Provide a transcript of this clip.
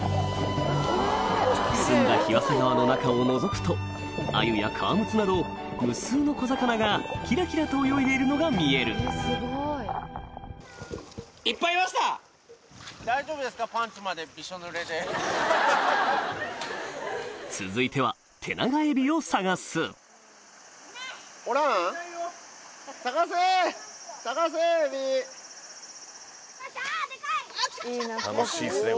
澄んだ日和佐川の中をのぞくとアユやカワムツなど無数の小魚がキラキラと泳いでいるのが見える続いては楽しいっすね